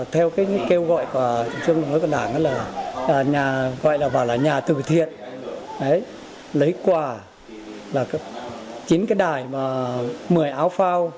theo kêu gọi của chương trình đồng hội của đảng là nhà từ thiện lấy quà là chín cái đài và một mươi áo phao